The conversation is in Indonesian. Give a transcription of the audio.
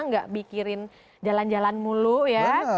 nggak mikirin jalan jalan mulu ya